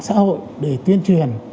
xã hội để tuyên truyền